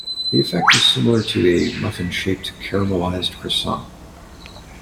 The effect is similar to a muffin-shaped, caramelized croissant.